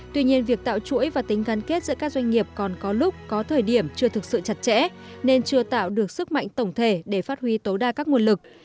tuy nhiên việc tạo chuỗi và tính gắn kết giữa các doanh nghiệp còn có lúc có thời điểm chưa thực sự chặt chẽ nên chưa tạo được sức mạnh tổng thể để phát huy tối đa các nguồn lực